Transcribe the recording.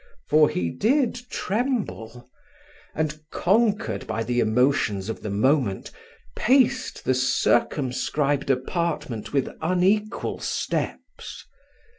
for he did tremble; and, conquered by the emotions of the moment, paced the circumscribed apartment with unequal steps.